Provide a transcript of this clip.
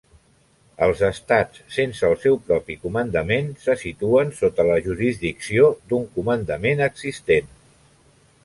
Els estats sense el seu propi comandament se situen sota la jurisdicció d'un comandament existent.